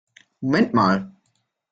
Moment mal!